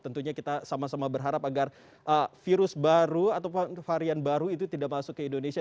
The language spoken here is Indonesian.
tentunya kita sama sama berharap agar virus baru atau varian baru itu tidak masuk ke indonesia